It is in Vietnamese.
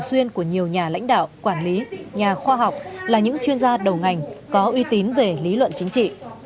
xuyên của nhiều nhà lãnh đạo quản lý nhà khoa học là những chuyên gia đầu ngành có uy tín về lý luận chính trị